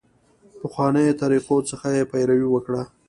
پخوانیو طریقو څخه یې پیروي وکړه.